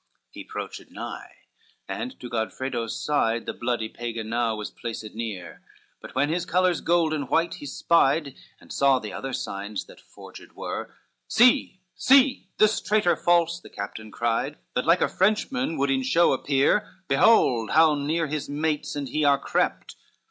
XLV He proached nigh, and to Godfredo's side The bloody Pagan now was placed near: But when his colors gold and white he spied, And saw the other signs that forged were, "See, see, this traitor false!" the captain cried, "That like a Frenchman would in show appear, Behold how near his mates and he are crept!"